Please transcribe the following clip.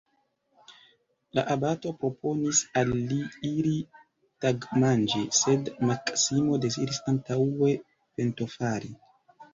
La abato proponis al li iri tagmanĝi, sed Maksimo deziris antaŭe pentofari.